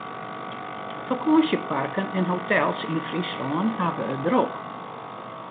Fakânsjeparken en hotels yn Fryslân hawwe it drok.